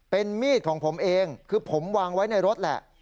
เป็นมีดของผมเองคือผมวางไว้ในรถแหละ